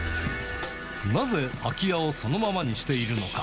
なぜ空き家をそのままにしているのか。